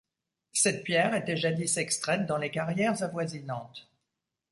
Cette pierre était jadis extraite dans les carrières avoisinantes.